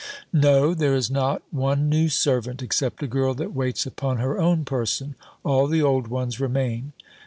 "No, there is not one new servant, except a girl that waits upon her own person: all the old ones remain."